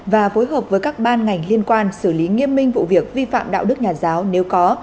và phối hợp với các ban ngành liên quan xử lý nghiêm minh vụ việc vi phạm đạo đức nhà giáo nếu có